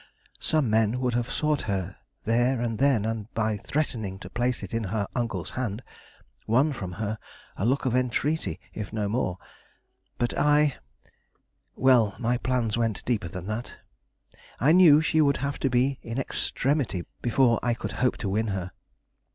Some men would have sought her there and then and, by threatening to place it in her uncle's hand, won from her a look of entreaty, if no more; but I well, my plans went deeper than that. I knew she would have to be in extremity before I could hope to win her.